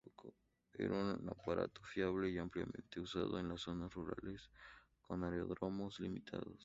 Era un aparato fiable y ampliamente usado en zonas rurales con aeródromos limitados.